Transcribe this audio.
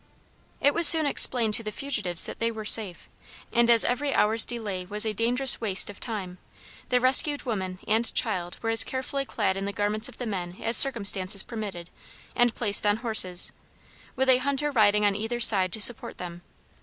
"It was soon explained to the fugitives that they were safe, and as every hour's delay was a dangerous waste of time, the rescued women and child were as carefully clad in the garments of the men as circumstances permitted, and placed on horses, with a hunter riding on either side to support them.